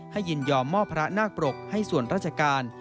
ยินยอมมอบพระนาคปรกให้ส่วนราชการ